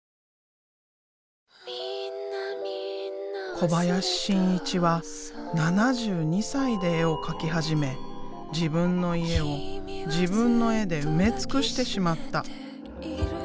小林伸一は７２歳で絵を描き始め自分の家を自分の絵で埋め尽くしてしまった。